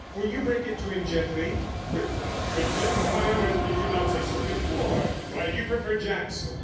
Will you break it to him gently?" "Good lord, Crichton, why on earth did you not say so before? Why do you prefer Jackson?"